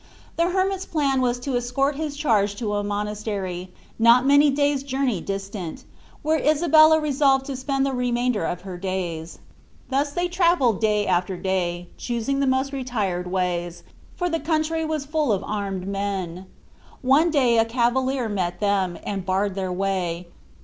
The hermit's plan was to escort his charge to a monastery, not many days' journey distant, where Isabella resolved to spend the remainder of her days. Thus they travelled day after day, choosing the most retired ways, for the country was full of armed men. One day a cavalier met them, and barred their way.